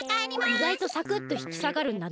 いがいとサクッとひきさがるんだな。